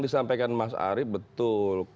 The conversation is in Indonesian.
disampaikan mas ari betul